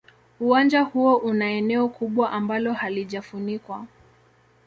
Uwanja huo una eneo kubwa ambalo halijafunikwa.